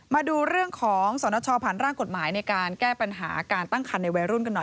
มาดูเรื่องของสนชผ่านร่างกฎหมายในการแก้ปัญหาการตั้งคันในวัยรุ่นกันหน่อย